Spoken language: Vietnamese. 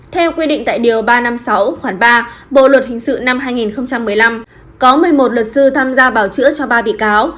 theo quy định tại điều ba trăm năm mươi sáu khoảng ba bộ luật hình sự năm hai nghìn một mươi năm có một mươi một luật sư tham gia bảo chữa cho ba bị cáo